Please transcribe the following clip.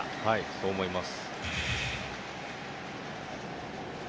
そう思います。